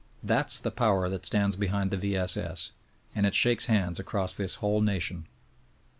That's the power that stands behind the V. S. S. ... and it shakes hands across this whole nation.